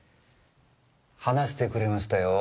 話してくれましたよ